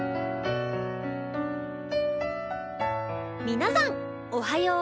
皆さんおはよう。